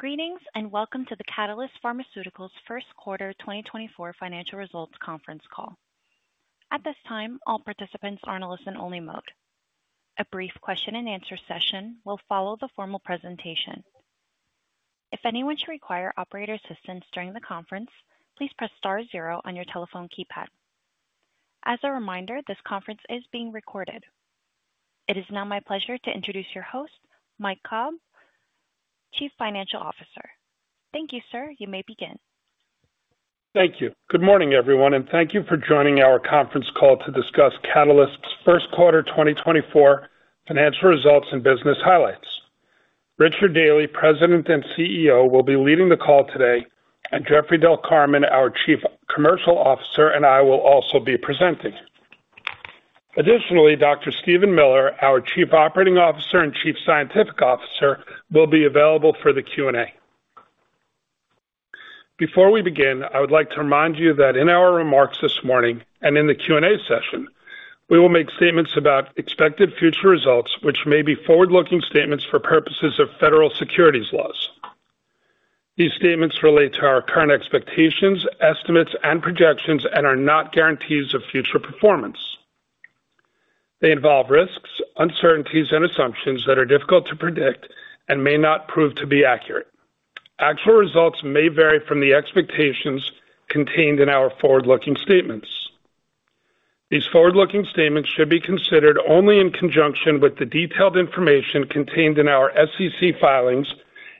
Greetings and welcome to the Catalyst Pharmaceuticals first quarter 2024 financial results conference call. At this time, all participants are in a listen-only mode. A brief question-and-answer session will follow the formal presentation. If anyone should require operator assistance during the conference, please press star zero on your telephone keypad. As a reminder, this conference is being recorded. It is now my pleasure to introduce your host, Mike Kalb, Chief Financial Officer. Thank you, sir. You may begin. Thank you. Good morning, everyone, and thank you for joining our conference call to discuss Catalyst's first quarter 2024 financial results and business highlights. Richard Daly, President and CEO, will be leading the call today, and Jeffrey Del Carmen, our Chief Commercial Officer, and I will also be presenting. Additionally, Dr. Steven Miller, our Chief Operating Officer and Chief Scientific Officer, will be available for the Q&A. Before we begin, I would like to remind you that in our remarks this morning and in the Q&A session, we will make statements about expected future results, which may be forward-looking statements for purposes of federal securities laws. These statements relate to our current expectations, estimates, and projections, and are not guarantees of future performance. They involve risks, uncertainties, and assumptions that are difficult to predict and may not prove to be accurate. Actual results may vary from the expectations contained in our forward-looking statements. These forward-looking statements should be considered only in conjunction with the detailed information contained in our SEC filings,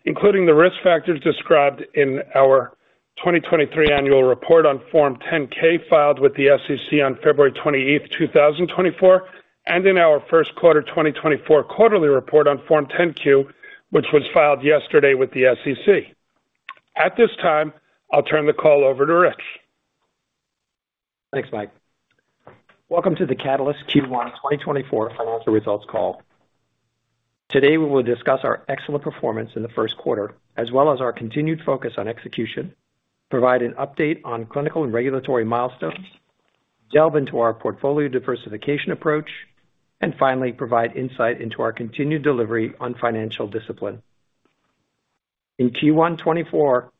including the risk factors described in our 2023 annual report on Form 10-K filed with the SEC on February 28th, 2024, and in our first quarter 2024 quarterly report on Form 10-Q, which was filed yesterday with the SEC. At this time, I'll turn the call over to Rich. Thanks, Mike. Welcome to the Catalyst Q1 2024 financial results call. Today, we will discuss our excellent performance in the first quarter, as well as our continued focus on execution, provide an update on clinical and regulatory milestones, delve into our portfolio diversification approach, and finally provide insight into our continued delivery on financial discipline. In Q1 2024,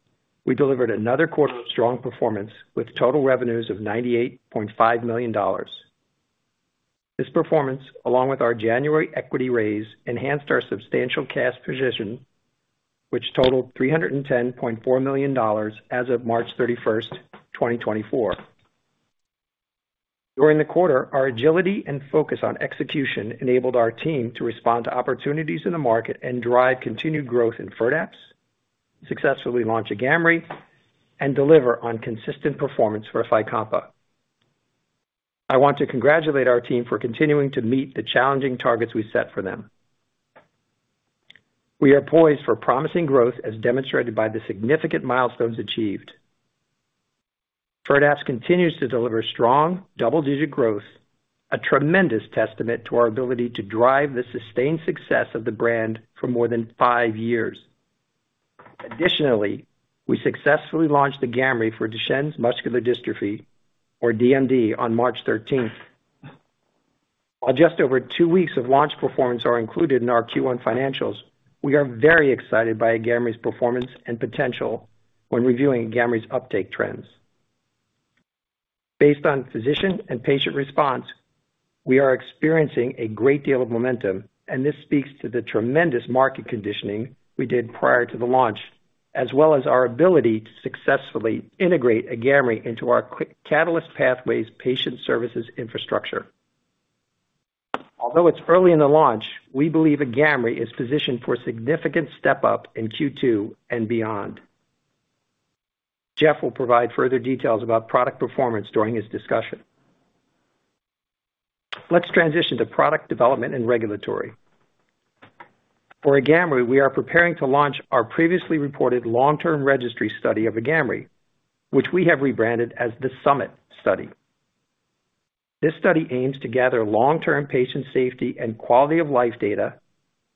we delivered another quarter of strong performance with total revenues of $98.5 million. This performance, along with our January equity raise, enhanced our substantial cash position, which totaled $310.4 million as of March 31st, 2024. During the quarter, our agility and focus on execution enabled our team to respond to opportunities in the market and drive continued growth inFirdapse, successfully launch Agamree, and deliver on consistent performance for Fycompa. I want to congratulate our team for continuing to meet the challenging targets we set for them. We are poised for promising growth as demonstrated by the significant milestones achieved. Firdapse continues to deliver strong double-digit growth, a tremendous testament to our ability to drive the sustained success of the brand for more than five years. Additionally, we successfully launched Agamree for Duchenne muscular dystrophy, or DMD, on March 13th. While just over two weeks of launch performance are included in our Q1 financials, we are very excited by Agamree's performance and potential when reviewing Agamree's uptake trends. Based on physician and patient response, we are experiencing a great deal of momentum, and this speaks to the tremendous market conditioning we did prior to the launch, as well as our ability to successfully integrate Agamree into our Catalyst Pathways patient services infrastructure. Although it's early in the launch, we believe Agamree is positioned for a significant step up in Q2 and beyond. Jeff will provide further details about product performance during his discussion. Let's transition to product development and regulatory. For Agamree, we are preparing to launch our previously reported long-term registry study of Agamree, which we have rebranded as the Summit Study. This study aims to gather long-term patient safety and quality of life data,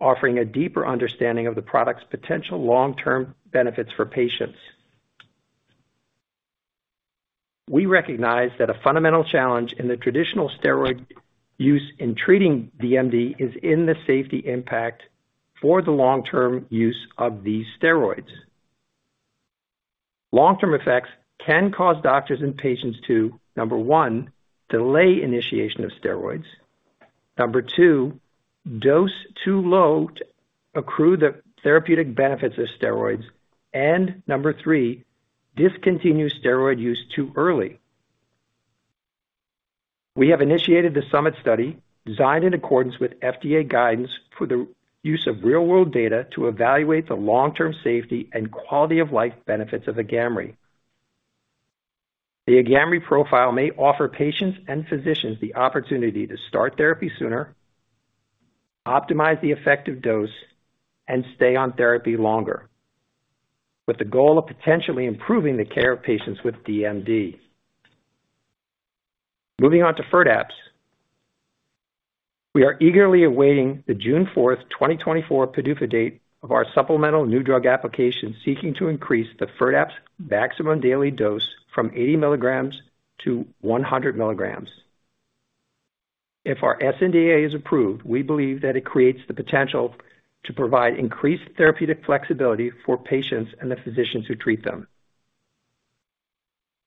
offering a deeper understanding of the product's potential long-term benefits for patients. We recognize that a fundamental challenge in the traditional steroid use in treating DMD is in the safety impact for the long-term use of these steroids. Long-term effects can cause doctors and patients to, number one, delay initiation of steroids, number two, dose too low to accrue the therapeutic benefits of steroids, and number three, discontinue steroid use too early. We have initiated the Summit Study, designed in accordance with FDA guidance for the use of real-world data to evaluate the long-term safety and quality of life benefits of Agamree. The Agamree profile may offer patients and physicians the opportunity to start therapy sooner, optimize the effective dose, and stay on therapy longer, with the goal of potentially improving the care of patients with DMD. Moving on to Firdapse, we are eagerly awaiting the June 4th, 2024, PDUFA date of our supplemental new drug application seeking to increase the Firdapse maximum daily dose from 80 mg-100 mg. If our SNDA is approved, we believe that it creates the potential to provide increased therapeutic flexibility for patients and the physicians who treat them.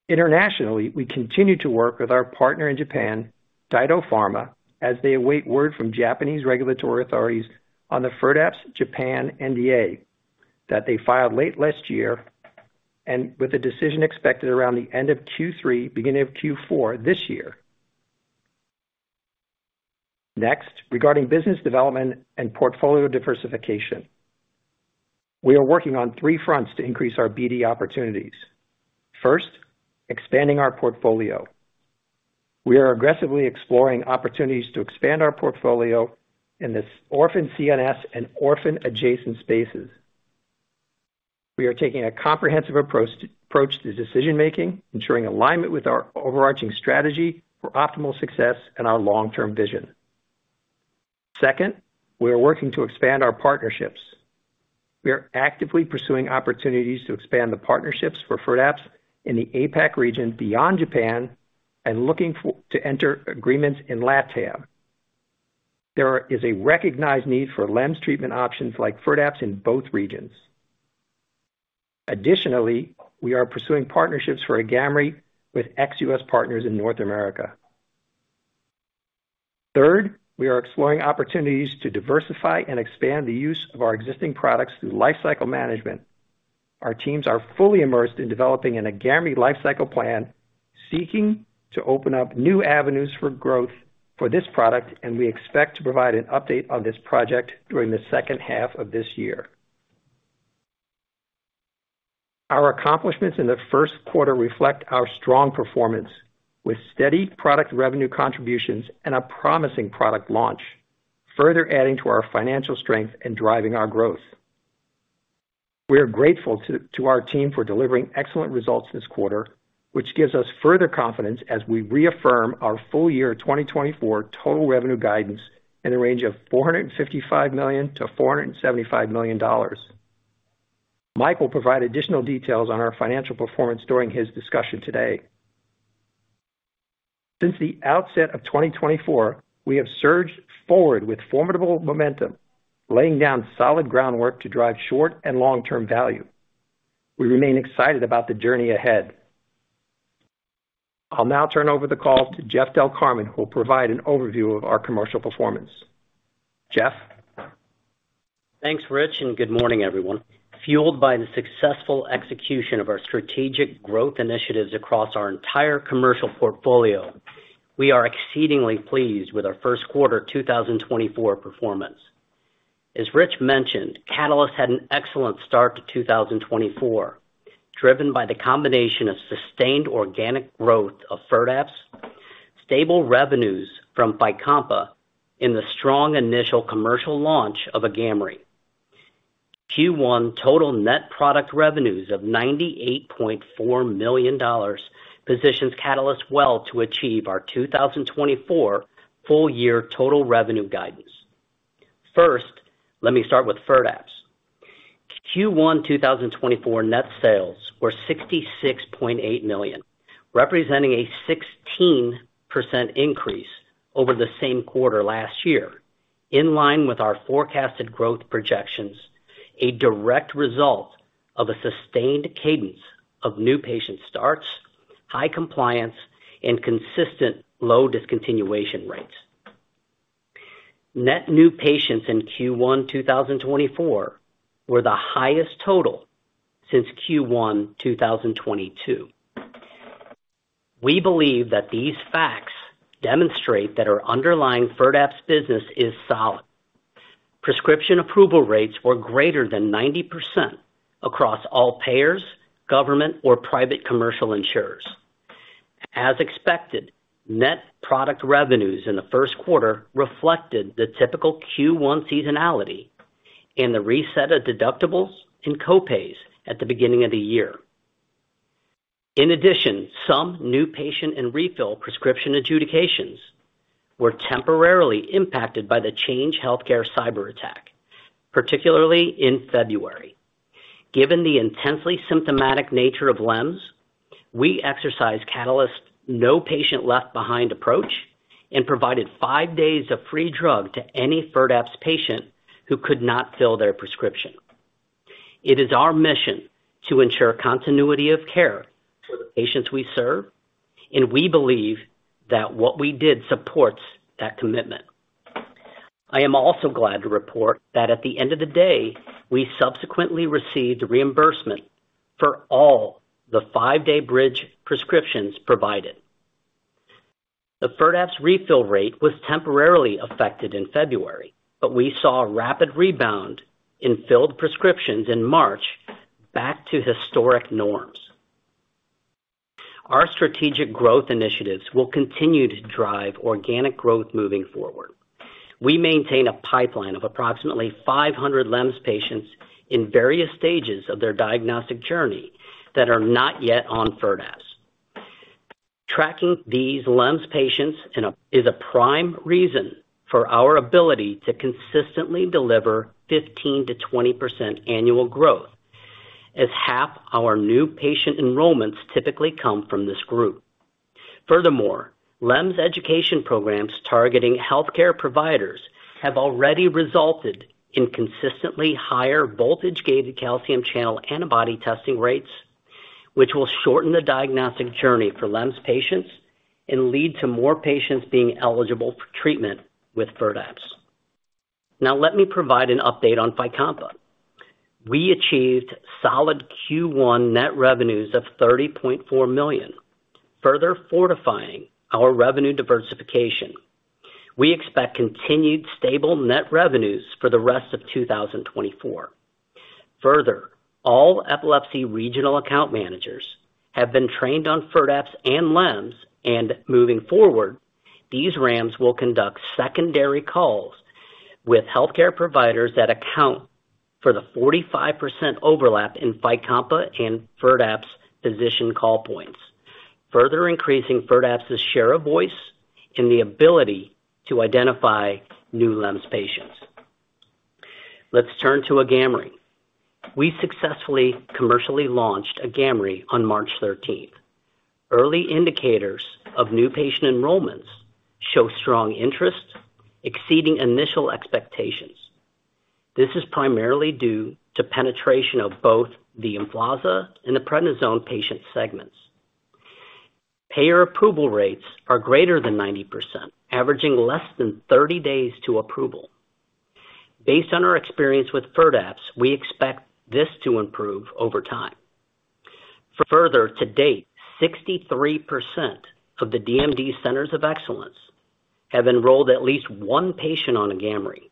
Internationally, we continue to work with our partner in Japan, DyDo Pharma, as they await word from Japanese regulatory authorities on the Firdapse Japan NDA that they filed late last year, and with a decision expected around the end of Q3, beginning of Q4 this year. Next, regarding business development and portfolio diversification, we are working on three fronts to increase our BD opportunities. First, expanding our portfolio. We are aggressively exploring opportunities to expand our portfolio in the orphaned CNS and orphaned adjacent spaces. We are taking a comprehensive approach to decision-making, ensuring alignment with our overarching strategy for optimal success and our long-term vision. Second, we are working to expand our partnerships. We are actively pursuing opportunities to expand the partnerships for Firdapse in the APAC region beyond Japan and looking to enter agreements in LATAM. There is a recognized need for LEMS treatment options like Firdapse in both regions. Additionally, we are pursuing partnerships for a Agamree with ex-U.S. partners in North America. Third, we are exploring opportunities to diversify and expand the use of our existing products through lifecycle management. Our teams are fully immersed in developing an Agamree lifecycle plan, seeking to open up new avenues for growth for this product, and we expect to provide an update on this project during the second half of this year. Our accomplishments in the first quarter reflect our strong performance with steady product revenue contributions and a promising product launch, further adding to our financial strength and driving our growth. We are grateful to our team for delivering excellent results this quarter, which gives us further confidence as we reaffirm our full-year 2024 total revenue guidance in the range of $455 million-$475 million. Mike will provide additional details on our financial performance during his discussion today. Since the outset of 2024, we have surged forward with formidable momentum, laying down solid groundwork to drive short- and long-term value. We remain excited about the journey ahead. I'll now turn over the call to Jeff Del Carmen, who will provide an overview of our commercial performance. Jeff? Thanks, Rich, and good morning, everyone. Fueled by the successful execution of our strategic growth initiatives across our entire commercial portfolio, we are exceedingly pleased with our first quarter 2024 performance. As Rich mentioned, Catalyst had an excellent start to 2024, driven by the combination of sustained organic growth of Firdapse, stable revenues from Fycompa, and the strong initial commercial launch of Agamree. Q1 total net product revenues of $98.4 million positions Catalyst well to achieve our 2024 full year total revenue guidance. First, let me start with Firdapse. Q1 2024 net sales were $66.8 million, representing a 16% increase over the same quarter last year, in line with our forecasted growth projections, a direct result of a sustained cadence of new patient starts, high compliance, and consistent low discontinuation rates. Net new patients in Q1 2024 were the highest total since Q1 2022. We believe that these facts demonstrate that our underlying Firdapse business is solid. Prescription approval rates were greater than 90% across all payers, government, or private commercial insurers. As expected, net product revenues in the first quarter reflected the typical Q1 seasonality and the reset of deductibles and copays at the beginning of the year. In addition, some new patient and refill prescription adjudications were temporarily impacted by the Change Healthcare cyberattack, particularly in February. Given the intensely symptomatic nature of LEMS, we exercised Catalyst's no patient left behind approach and provided five days of free drug to any Firdapse patient who could not fill their prescription. It is our mission to ensure continuity of care for the patients we serve, and we believe that what we did supports that commitment. I am also glad to report that at the end of the day, we subsequently received reimbursement for all the five-day bridge prescriptions provided. The Firdapse refill rate was temporarily affected in February, but we saw a rapid rebound in filled prescriptions in March back to historic norms. Our strategic growth initiatives will continue to drive organic growth moving forward. We maintain a pipeline of approximately 500 LEMS patients in various stages of their diagnostic journey that are not yet on Firdapse. Tracking these LEMS patients is a prime reason for our ability to consistently deliver 15%-20% annual growth, as half our new patient enrollments typically come from this group. Furthermore, LEMS education programs targeting healthcare providers have already resulted in consistently higher voltage-gated calcium channel antibody testing rates, which will shorten the diagnostic journey for LEMS patients and lead to more patients being eligible for treatment with Firdapse. Now, let me provide an update on Fycompa. We achieved solid Q1 net revenues of $30.4 million, further fortifying our revenue diversification. We expect continued stable net revenues for the rest of 2024. Further, all epilepsy regional account managers have been trained on Firdapse and LEMS, and moving forward, these RAMs will conduct secondary calls with healthcare providers that account for the 45% overlap in Fycompa and Firdapse physician call points, further increasing Firdapse's share of voice and the ability to identify new LEMS patients. Let's turn to Agamree. We successfully commercially launched Agamree on March 13th. Early indicators of new patient enrollments show strong interest, exceeding initial expectations. This is primarily due to penetration of both the Emflaza and the prednisone patient segments. Payer approval rates are greater than 90%, averaging less than 30 days to approval. Based on our experience with Firdapse, we expect this to improve over time. Further, to date, 63% of the DMD Centers of Excellence have enrolled at least one patient on Agamree.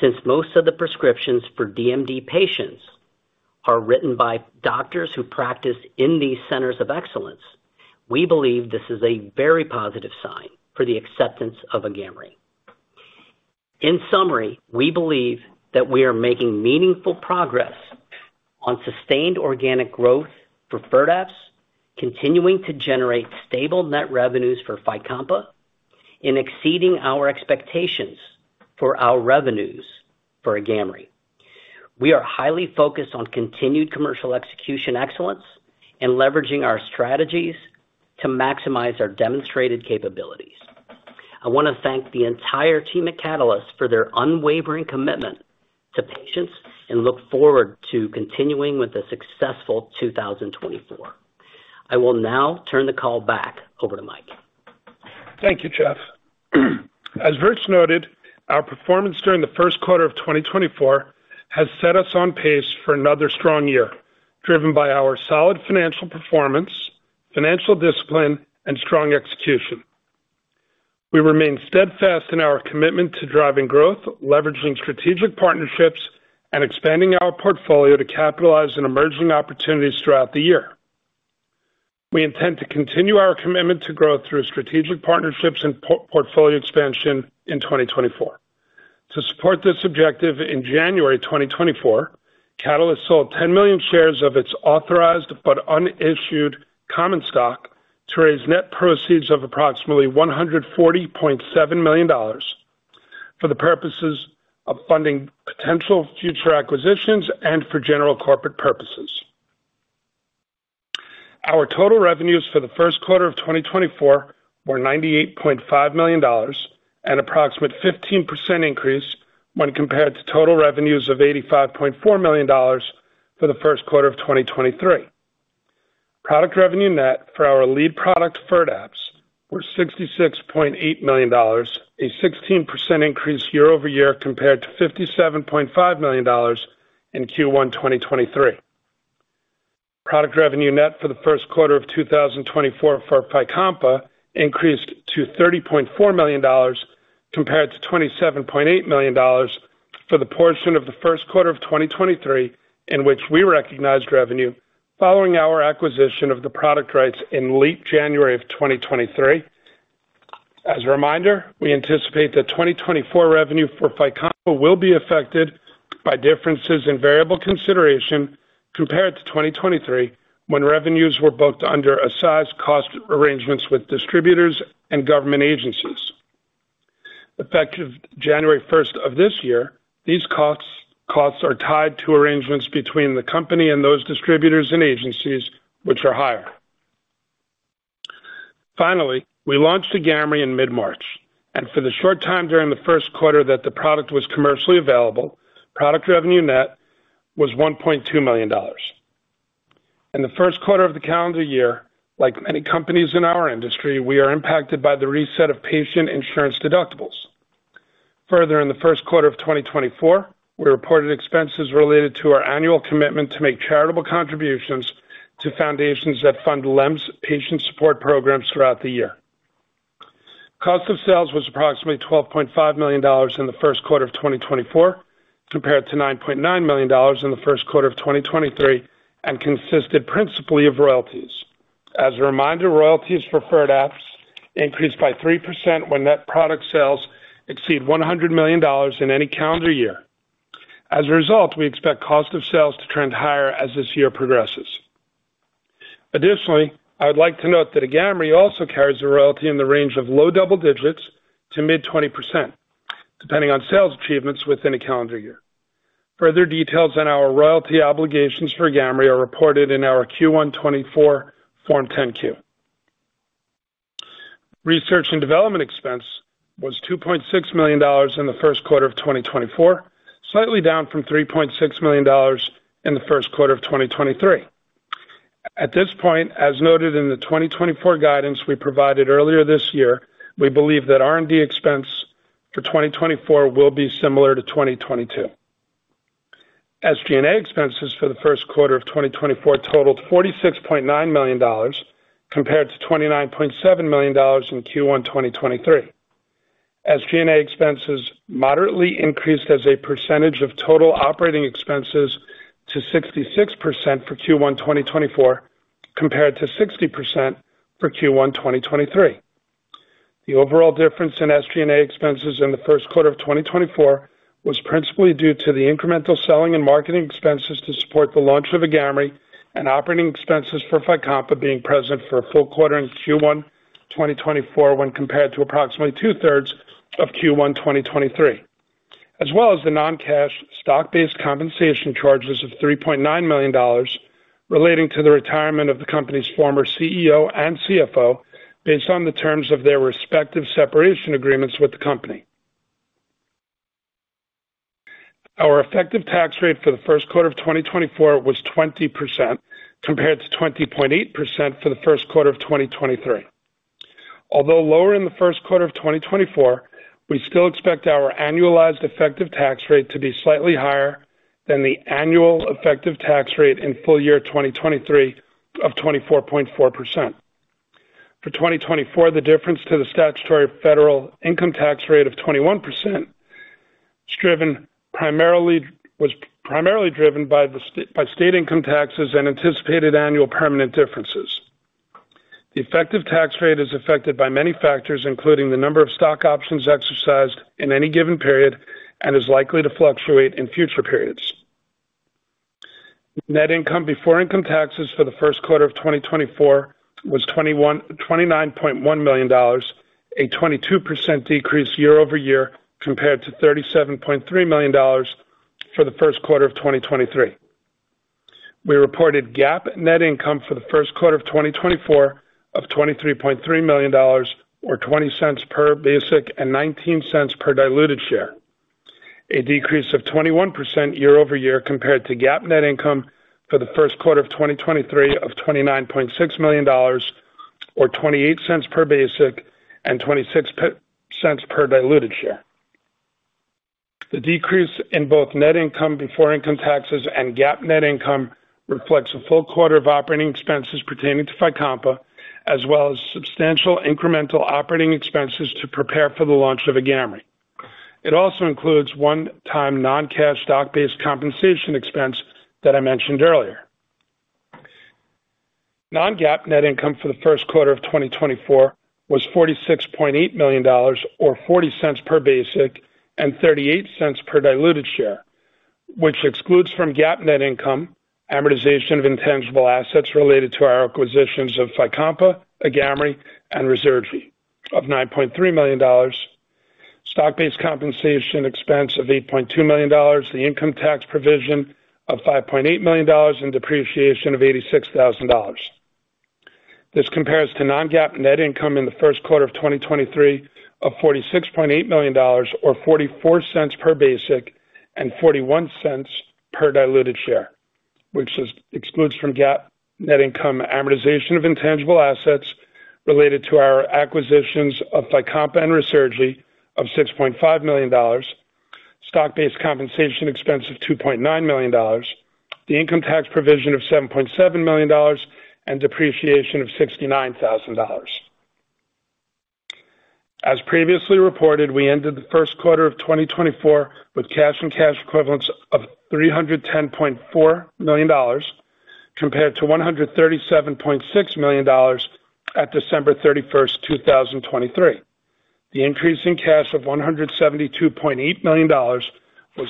Since most of the prescriptions for DMD patients are written by doctors who practice in these Centers of Excellence, we believe this is a very positive sign for the acceptance of Agamree. In summary, we believe that we are making meaningful progress on sustained organic growth for Firdapse, continuing to generate stable net revenues for Fycompa, and exceeding our expectations for our revenues for Agamree. We are highly focused on continued commercial execution excellence and leveraging our strategies to maximize our demonstrated capabilities. I want to thank the entire team at Catalyst for their unwavering commitment to patients and look forward to continuing with a successful 2024. I will now turn the call back over to Mike. Thank you, Jeff. As Rich noted, our performance during the first quarter of 2024 has set us on pace for another strong year, driven by our solid financial performance, financial discipline, and strong execution. We remain steadfast in our commitment to driving growth, leveraging strategic partnerships, and expanding our portfolio to capitalize on emerging opportunities throughout the year. We intend to continue our commitment to growth through strategic partnerships and portfolio expansion in 2024. To support this objective, in January 2024, Catalyst sold 10 million shares of its authorized but unissued common stock to raise net proceeds of approximately $140.7 million for the purposes of funding potential future acquisitions and for general corporate purposes. Our total revenues for the first quarter of 2024 were $98.5 million, an approximate 15% increase when compared to total revenues of $85.4 million for the first quarter of 2023. Product revenue net for our lead product, Firdapse, were $66.8 million, a 16% increase year-over-year compared to $57.5 million in Q1 2023. Product revenue net for the first quarter of 2024 for Fycompa increased to $30.4 million compared to $27.8 million for the portion of the first quarter of 2023 in which we recognized revenue following our acquisition of the product rights in late January of 2023. As a reminder, we anticipate that 2024 revenue for Fycompa will be affected by differences in variable consideration compared to 2023 when revenues were booked under accrued cost arrangements with distributors and government agencies. Effective January 1st of this year, these costs are tied to arrangements between the company and those distributors and agencies, which are higher. Finally, we launched Agamree in mid-March, and for the short time during the first quarter that the product was commercially available, product revenue net was $1.2 million. In the first quarter of the calendar year, like many companies in our industry, we are impacted by the reset of patient insurance deductibles. Further, in the first quarter of 2024, we reported expenses related to our annual commitment to make charitable contributions to foundations that fund LEMS patient support programs throughout the year. Cost of sales was approximately $12.5 million in the first quarter of 2024 compared to $9.9 million in the first quarter of 2023 and consisted principally of royalties. As a reminder, royalties for Firdapse increased by 3% when net product sales exceed $100 million in any calendar year. As a result, we expect cost of sales to trend higher as this year progresses. Additionally, I would like to note that Agamree also carries a royalty in the range of low double digits to mid-20%, depending on sales achievements within a calendar year. Further details on our royalty obligations for Agamree are reported in our Q1 2024 Form 10-Q. Research and development expense was $2.6 million in the first quarter of 2024, slightly down from $3.6 million in the first quarter of 2023. At this point, as noted in the 2024 guidance we provided earlier this year, we believe that R&D expense for 2024 will be similar to 2022. SG&A expenses for the first quarter of 2024 totaled $46.9 million compared to $29.7 million in Q1 2023. SG&A expenses moderately increased as a percentage of total operating expenses to 66% for Q1 2024 compared to 60% for Q1 2023. The overall difference in SG&A expenses in the first quarter of 2024 was principally due to the incremental selling and marketing expenses to support the launch of Agamree and operating expenses for Fycompa being present for a full quarter in Q1 2024 when compared to approximately two-thirds of Q1 2023, as well as the non-cash, stock-based compensation charges of $3.9 million relating to the retirement of the company's former CEO and CFO based on the terms of their respective separation agreements with the company. Our effective tax rate for the first quarter of 2024 was 20% compared to 20.8% for the first quarter of 2023. Although lower in the first quarter of 2024, we still expect our annualized effective tax rate to be slightly higher than the annual effective tax rate in full year 2023 of 24.4%. For 2024, the difference to the statutory federal income tax rate of 21% was primarily driven by state income taxes and anticipated annual permanent differences. The effective tax rate is affected by many factors, including the number of stock options exercised in any given period and is likely to fluctuate in future periods. Net income before income taxes for the first quarter of 2024 was $29.1 million, a 22% decrease year-over-year compared to $37.3 million for the first quarter of 2023. We reported GAAP net income for the first quarter of 2024 of $23.3 million or $0.20 per basic and $0.19 per diluted share, a decrease of 21% year-over-year compared to GAAP net income for the first quarter of 2023 of $29.6 million or $0.28 per basic and $0.26 per diluted share. The decrease in both net income before income taxes and GAAP net income reflects a full quarter of operating expenses pertaining to Fycompa, as well as substantial incremental operating expenses to prepare for the launch of Agamree. It also includes one-time non-cash, stock-based compensation expense that I mentioned earlier. Non-GAAP net income for the first quarter of 2024 was $46.8 million or $0.40 per basic and $0.38 per diluted share, which excludes from GAAP net income amortization of intangible assets related to our acquisitions of Fycompa, Agamree, and Ruzurgi of $9.3 million, stock-based compensation expense of $8.2 million, the income tax provision of $5.8 million, and depreciation of $86,000. This compares to non-GAAP net income in the first quarter of 2023 of $46.8 million or $0.44 per basic and $0.41 per diluted share, which excludes from GAAP net income amortization of intangible assets related to our acquisitions of Fycompa and Ruzurgi of $6.5 million, stock-based compensation expense of $2.9 million, the income tax provision of $7.7 million, and depreciation of $69,000. As previously reported, we ended the first quarter of 2024 with cash and cash equivalents of $310.4 million compared to $137.6 million at December 31st, 2023. The increase in cash of $172.8 million was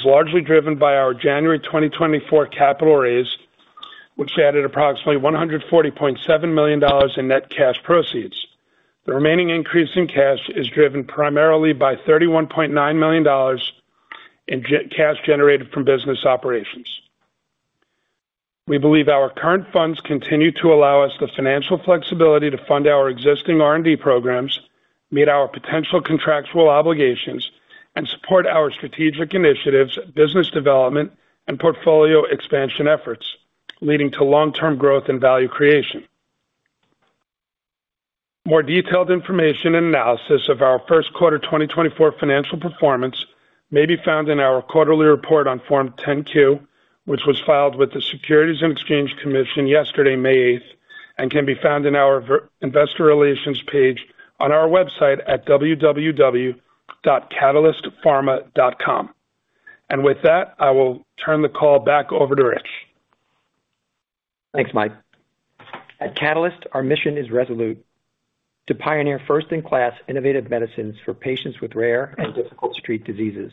largely driven by our January 2024 capital raise, which added approximately $140.7 million in net cash proceeds. The remaining increase in cash is driven primarily by $31.9 million in cash generated from business operations. We believe our current funds continue to allow us the financial flexibility to fund our existing R&D programs, meet our potential contractual obligations, and support our strategic initiatives, business development, and portfolio expansion efforts, leading to long-term growth and value creation. More detailed information and analysis of our first quarter 2024 financial performance may be found in our quarterly report on Form 10-Q, which was filed with the Securities and Exchange Commission yesterday, May 8th, and can be found in our Investor Relations page on our website at www.catalystpharma.com. With that, I will turn the call back over to Rich. Thanks, Mike. At Catalyst, our mission is resolute: to pioneer first-in-class innovative medicines for patients with rare and difficult-to-treat diseases.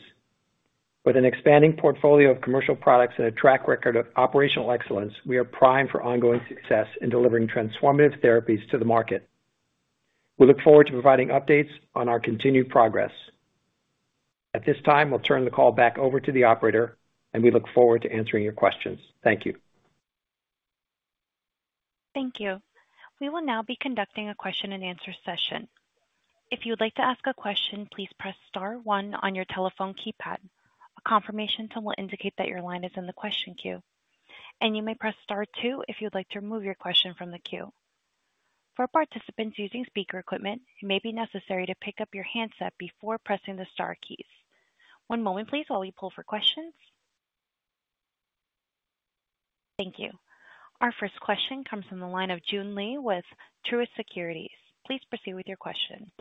With an expanding portfolio of commercial products and a track record of operational excellence, we are primed for ongoing success in delivering transformative therapies to the market. We look forward to providing updates on our continued progress. At this time, we'll turn the call back over to the operator, and we look forward to answering your questions. Thank you. Thank you. We will now be conducting a question-and-answer session. If you would like to ask a question, please press star one on your telephone keypad. A confirmation tone will indicate that your line is in the question queue. You may press star two if you would like to remove your question from the queue. For participants using speaker equipment, it may be necessary to pick up your handset before pressing the star keys. One moment, please, while we pull for questions. Thank you. Our first question comes from the line of Joon Lee with Truist Securities. Please proceed with your question.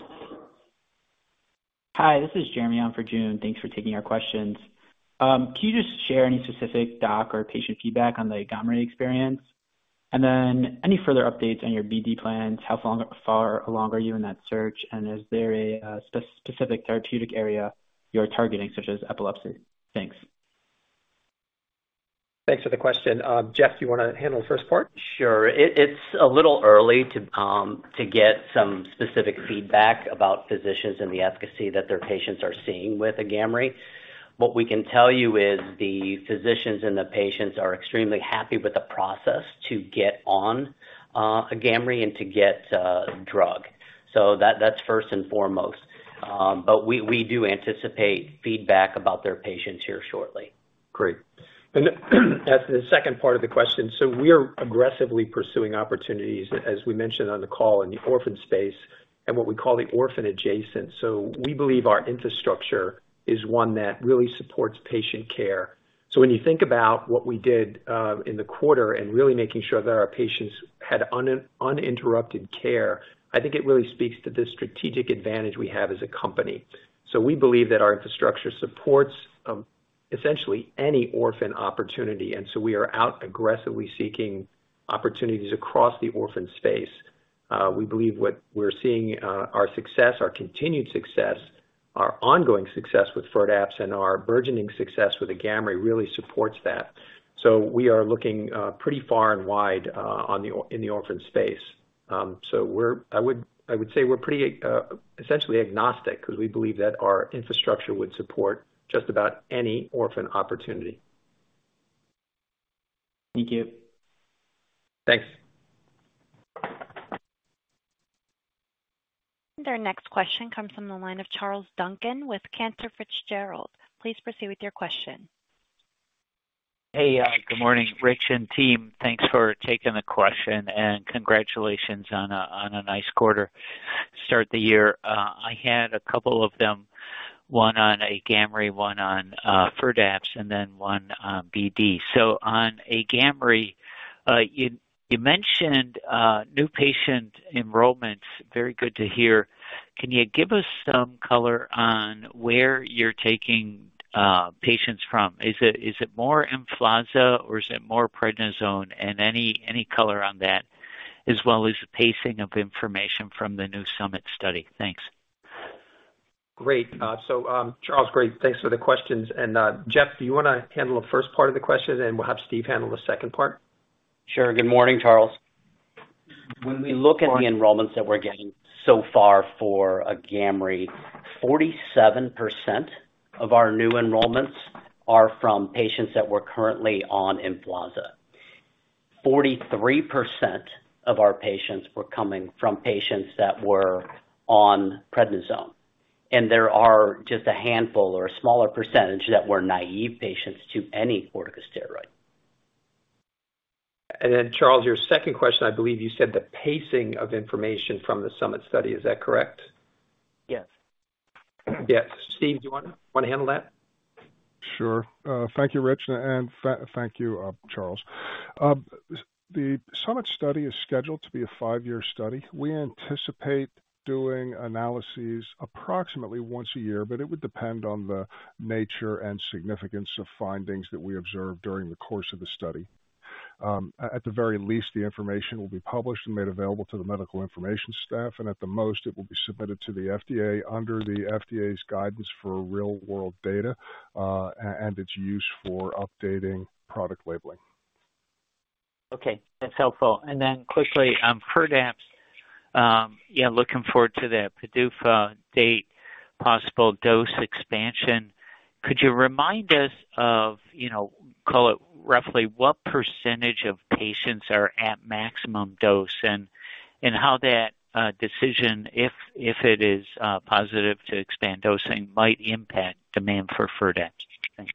Hi. This is Jeremy on for Joon. Thanks for taking our questions. Can you just share any specific doc or patient feedback on the Agamree experience? And then any further updates on your BD plans? How far along are you in that search? And is there a specific therapeutic area you're targeting, such as epilepsy? Thanks. Thanks for the question. Jeff, do you want to handle the first part? Sure. It's a little early to get some specific feedback about physicians and the efficacy that their patients are seeing with Agamree. What we can tell you is the physicians and the patients are extremely happy with the process to get on Agamree and to get drug. So that's first and foremost. But we do anticipate feedback about their patients here shortly. Great. And as to the second part of the question, so we are aggressively pursuing opportunities, as we mentioned on the call, in the orphan space and what we call the orphan-adjacent. So we believe our infrastructure is one that really supports patient care. So when you think about what we did in the quarter and really making sure that our patients had uninterrupted care, I think it really speaks to the strategic advantage we have as a company. So we believe that our infrastructure supports essentially any orphan opportunity. And so we are out aggressively seeking opportunities across the orphan space. We believe what we're seeing, our success, our continued success, our ongoing success with Firdapse, and our burgeoning success with Agamree really supports that. So we are looking pretty far and wide in the orphan space. I would say we're pretty essentially agnostic because we believe that our infrastructure would support just about any orphan opportunity. Thank you. Thanks. Their next question comes from the line of Charles Duncan with Cantor Fitzgerald. Please proceed with your question. Hey. Good morning, Rich and team. Thanks for taking the question and congratulations on a nice quarter to start the year. I had a couple of them, one on Agamree, one on Firdapse, and then one on BD. So on Agamree, you mentioned new patient enrollments. Very good to hear. Can you give us some color on where you're taking patients from? Is it more Emflaza or is it more prednisone? And any color on that, as well as the pacing of information from the new Summit Study? Thanks. Great. So Charles, great. Thanks for the questions. And Jeff, do you want to handle the first part of the question, and we'll have Steve handle the second part? Sure. Good morning, Charles. When we look at the enrollments that we're getting so far for Agamree, 47% of our new enrollments are from patients that were currently on Emflaza. 43% of our patients were coming from patients that were on prednisone. And there are just a handful or a smaller percentage that were naive patients to any corticosteroid. And then, Charles, your second question, I believe you said the pacing of information from the Summit Study. Is that correct? Yes. Yes. Steve, do you want to handle that? Sure. Thank you, Rich, and thank you, Charles. The Summit Study is scheduled to be a five-year study. We anticipate doing analyses approximately once a year, but it would depend on the nature and significance of findings that we observe during the course of the study. At the very least, the information will be published and made available to the medical information staff. And at the most, it will be submitted to the FDA under the FDA's guidance for real-world data and its use for updating product labeling. Okay. That's helpful. Then quickly, Firdapse, yeah, looking forward to the PDUFA date, possible dose expansion. Could you remind us of, call it roughly, what percentage of patients are at maximum dose and how that decision, if it is positive to expand dosing, might impact demand for Firdapse? Thanks.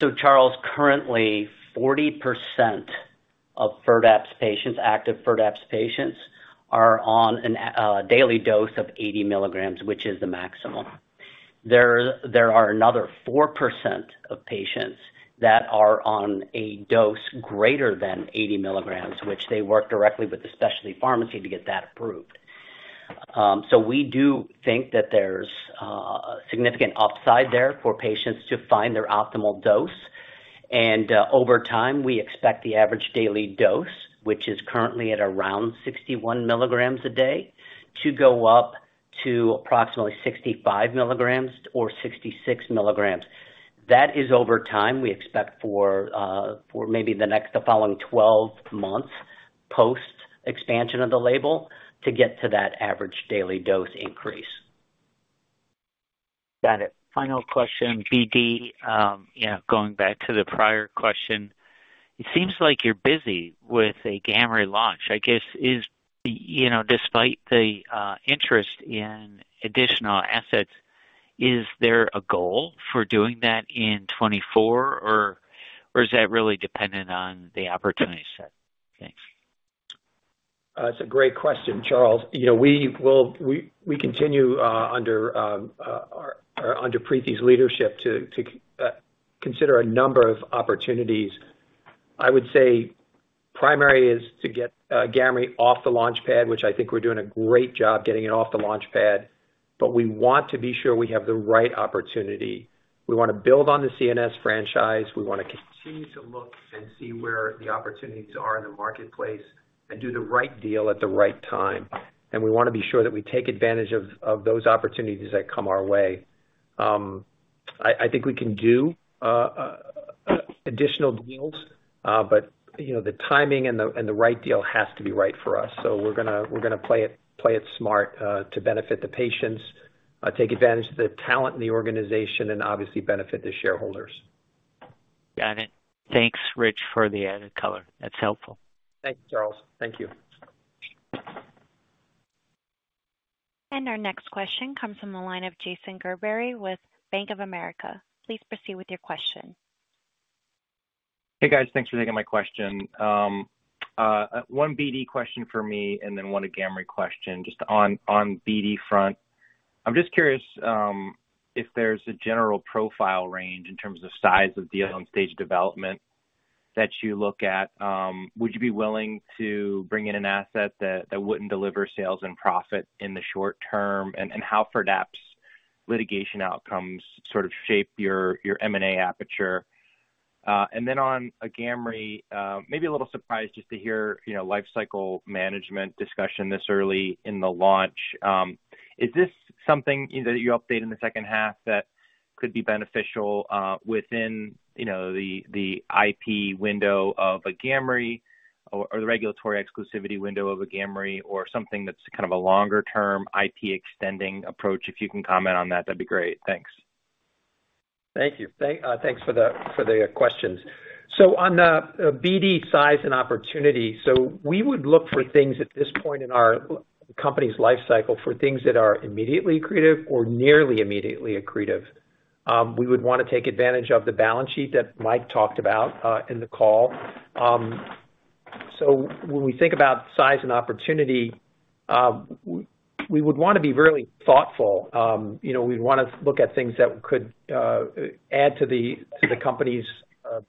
So, Charles, currently, 40% of active Firdapse patients are on a daily dose of 80 mg, which is the maximum. There are another 4% of patients that are on a dose greater than 80 mg, which they work directly with the specialty pharmacy to get that approved. So we do think that there's a significant upside there for patients to find their optimal dose. And over time, we expect the average daily dose, which is currently at around 61 mg a day, to go up to approximately 65 mg or 66 mg. That is over time. We expect for maybe the following 12 months post-expansion of the label to get to that average daily dose increase. Got it. Final question, BD, going back to the prior question, it seems like you're busy with an Agamree launch. I guess, despite the interest in additional assets, is there a goal for doing that in 2024, or is that really dependent on the opportunity set? Thanks. It's a great question, Charles. We continue under Preethi's leadership to consider a number of opportunities. I would say primary is to get Agamree off the launchpad, which I think we're doing a great job getting it off the launchpad. But we want to be sure we have the right opportunity. We want to build on the CNS franchise. We want to continue to look and see where the opportunities are in the marketplace and do the right deal at the right time. And we want to be sure that we take advantage of those opportunities that come our way. I think we can do additional deals, but the timing and the right deal has to be right for us. So we're going to play it smart to benefit the patients, take advantage of the talent in the organization, and obviously benefit the shareholders. Got it. Thanks, Rich, for the added color. That's helpful. Thanks, Charles. Thank you. Our next question comes from the line of Jason Gerberry with Bank of America. Please proceed with your question. Hey, guys. Thanks for taking my question. One BD question for me and then one an Agamree question just on BD front. I'm just curious if there's a general profile range in terms of size of deal and stage development that you look at. Would you be willing to bring in an asset that wouldn't deliver sales and profit in the short term, and how Firdapse litigation outcomes sort of shape your M&A aperture? And then on an Agamree, maybe a little surprise just to hear lifecycle management discussion this early in the launch. Is this something that you update in the second half that could be beneficial within the IP window of an Agamree or the regulatory exclusivity window of an Agamree or something that's kind of a longer-term IP extending approach? If you can comment on that, that'd be great. Thanks. Thank you. Thanks for the questions. So on BD size and opportunity, we would look for things at this point in our company's lifecycle for things that are immediately accretive or nearly immediately accretive. We would want to take advantage of the balance sheet that Mike talked about in the call. When we think about size and opportunity, we would want to be really thoughtful. We'd want to look at things that could add to the company's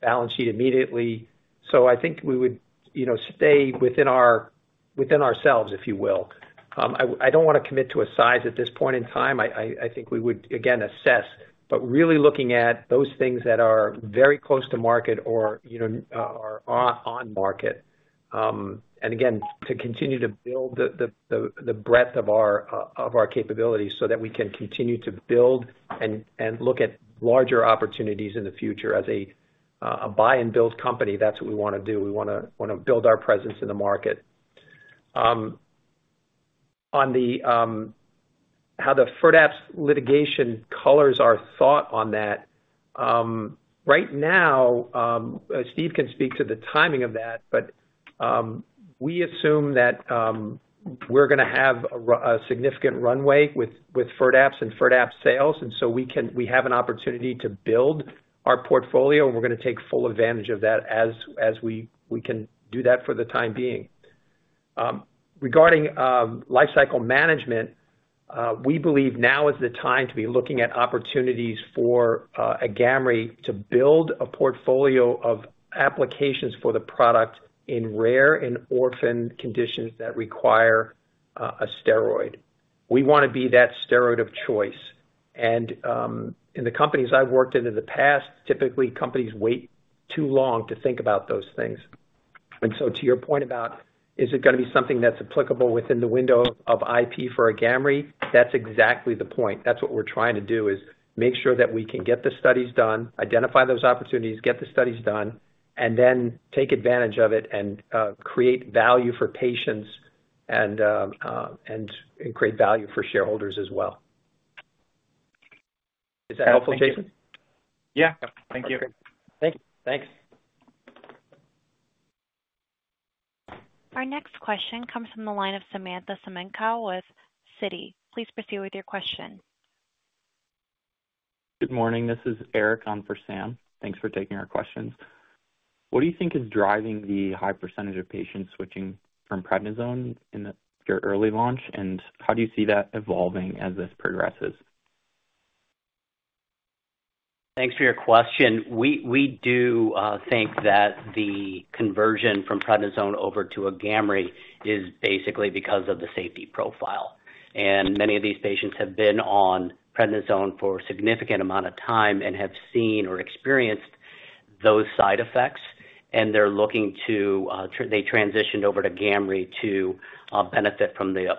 balance sheet immediately. So I think we would stay within ourselves, if you will. I don't want to commit to a size at this point in time. I think we would, again, assess, but really looking at those things that are very close to market or are on market. And again, to continue to build the breadth of our capabilities so that we can continue to build and look at larger opportunities in the future. As a buy-and-build company, that's what we want to do. We want to build our presence in the market. On how the Firdapse litigation colors our thought on that, right now, Steve can speak to the timing of that, but we assume that we're going to have a significant runway with Firdapse and Firdapse sales. And so we have an opportunity to build our portfolio, and we're going to take full advantage of that as we can do that for the time being. Regarding lifecycle management, we believe now is the time to be looking at opportunities for Agamree to build a portfolio of applications for the product in rare, in orphan conditions that require a steroid. We want to be that steroid of choice. And in the companies I've worked in in the past, typically, companies wait too long to think about those things. And so to your point about, "Is it going to be something that's applicable within the window of IP for Agamree?" that's exactly the point. That's what we're trying to do, is make sure that we can get the studies done, identify those opportunities, get the studies done, and then take advantage of it and create value for patients and create value for shareholders as well. Is that helpful, Jason? Yeah. Thank you. Okay. Thanks. Our next question comes from the line of Samantha Semenkow with Citi. Please proceed with your question. Good morning. This is Eric on for SAM. Thanks for taking our questions. What do you think is driving the high percentage of patients switching from prednisone in your early launch, and how do you see that evolving as this progresses? Thanks for your question. We do think that the conversion from prednisone over to Agamree is basically because of the safety profile. Many of these patients have been on prednisone for a significant amount of time and have seen or experienced those side effects. They're looking to they transitioned over to Agamree to benefit from the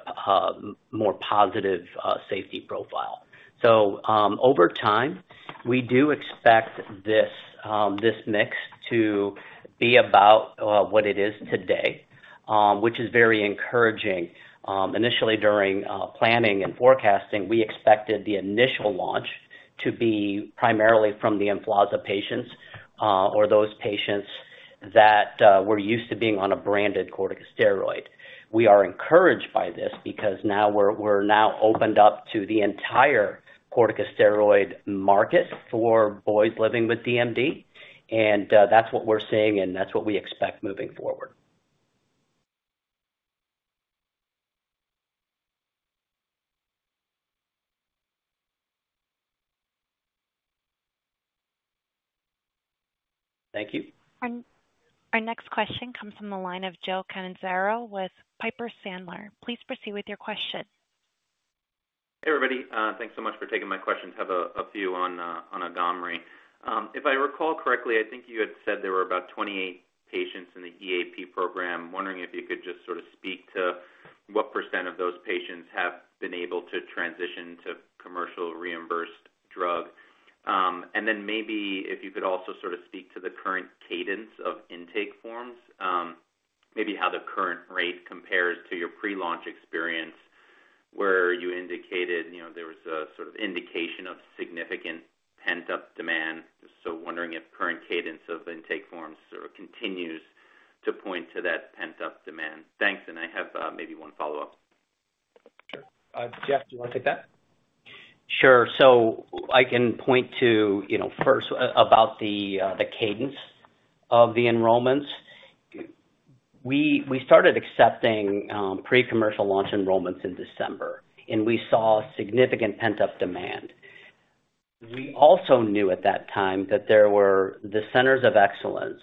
more positive safety profile. So over time, we do expect this mix to be about what it is today, which is very encouraging. Initially, during planning and forecasting, we expected the initial launch to be primarily from the Emflaza patients or those patients that were used to being on a branded corticosteroid. We are encouraged by this because we're now opened up to the entire corticosteroid market for boys living with DMD. That's what we're seeing, and that's what we expect moving forward. Thank you. Our next question comes from the line of Joseph Catanzaro with Piper Sandler. Please proceed with your question. Hey, everybody. Thanks so much for taking my questions. I have a few on Agamree. If I recall correctly, I think you had said there were about 28 patients in the EAP program. Wondering if you could just sort of speak to what percent of those patients have been able to transition to commercial reimbursed drug. And then maybe if you could also sort of speak to the current cadence of intake forms, maybe how the current rate compares to your pre-launch experience where you indicated there was a sort of indication of significant pent-up demand. So wondering if current cadence of intake forms sort of continues to point to that pent-up demand. Thanks. And I have maybe one follow-up. Sure. Jeff, do you want to take that? Sure. So I can point to first about the cadence of the enrollments. We started accepting pre-commercial launch enrollments in December, and we saw significant pent-up demand. We also knew at that time that there were the Centers of Excellence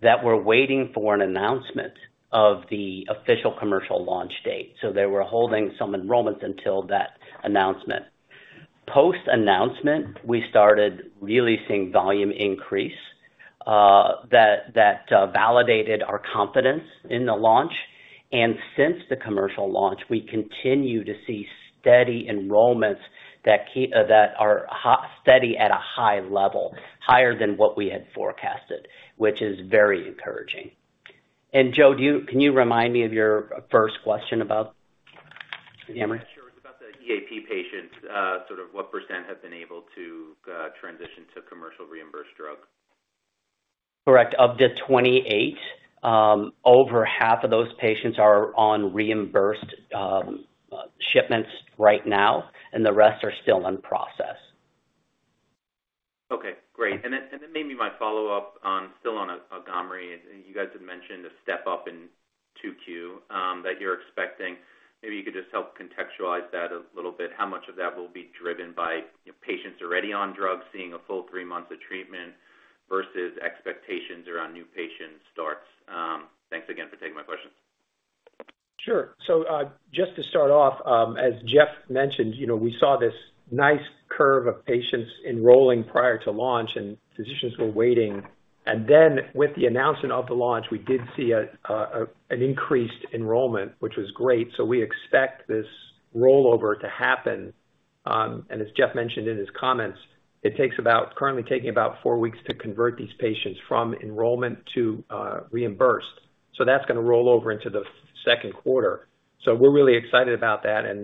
that were waiting for an announcement of the official commercial launch date. So they were holding some enrollments until that announcement. Post-announcement, we started really seeing volume increase that validated our confidence in the launch. And since the commercial launch, we continue to see steady enrollments that are steady at a high level, higher than what we had forecasted, which is very encouraging. And Joe, can you remind me of your first question about Agamree? Sure. It's about the EAP patients, sort of what percent have been able to transition to commercial reimbursed drug? Correct. Of the 28, over half of those patients are on reimbursed shipments right now, and the rest are still in process. Okay. Great. And then maybe my follow-up still on Agamree. You guys had mentioned a step up in 2Q that you're expecting. Maybe you could just help contextualize that a little bit. How much of that will be driven by patients already on drugs, seeing a full three months of treatment versus expectations around new patient starts? Thanks again for taking my questions. Sure. So just to start off, as Jeff mentioned, we saw this nice curve of patients enrolling prior to launch, and physicians were waiting. And then with the announcement of the launch, we did see an increased enrollment, which was great. So we expect this rollover to happen. And as Jeff mentioned in his comments, it currently takes about four weeks to convert these patients from enrollment to reimbursed. So that's going to roll over into the second quarter. So we're really excited about that. And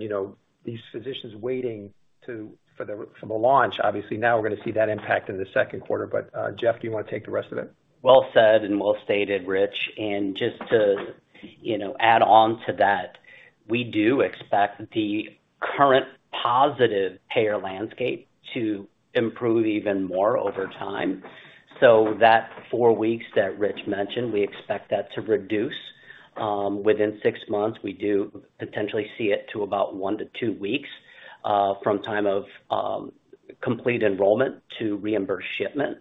these physicians waiting for the launch, obviously, now we're going to see that impact in the second quarter. But Jeff, do you want to take the rest of it? Well said and well stated, Rich. Just to add on to that, we do expect the current positive payer landscape to improve even more over time. That four weeks that Rich mentioned, we expect that to reduce. Within six months, we do potentially see it to about one-two weeks from time of complete enrollment to reimbursed shipment.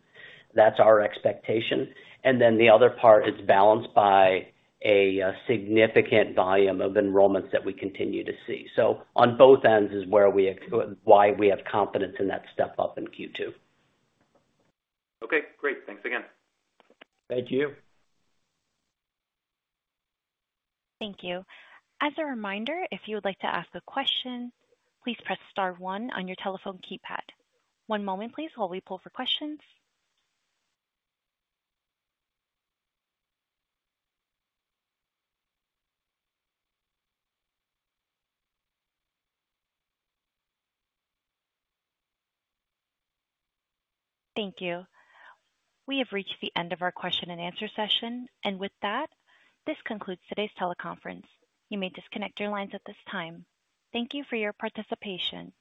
That's our expectation. The other part is balanced by a significant volume of enrollments that we continue to see. On both ends is why we have confidence in that step up in Q2. Okay. Great. Thanks again. Thank you. Thank you. As a reminder, if you would like to ask a question, please press star one on your telephone keypad. One moment, please, while we pull for questions. Thank you. We have reached the end of our question and answer session. With that, this concludes today's teleconference. You may disconnect your lines at this time. Thank you for your participation.